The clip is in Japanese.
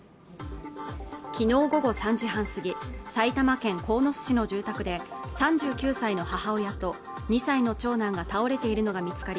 昨日午後３時半過ぎ埼玉県鴻巣市の住宅で３９歳の母親と２歳の長男が倒れているのが見つかり